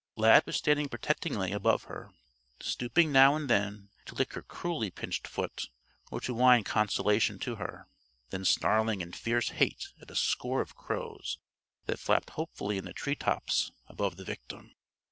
Lad was standing protectingly above her, stooping now and then to lick her cruelly pinched foot or to whine consolation to her; then snarling in fierce hate at a score of crows that flapped hopefully in the tree tops above the victim.